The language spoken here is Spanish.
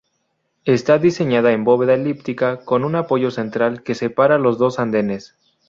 Está diseñada en bóveda elíptica con un apoyo central que separa los dos andenes.